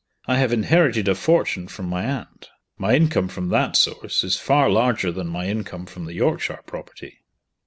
I have inherited a fortune from my aunt. My income from that source is far larger than my income from the Yorkshire property."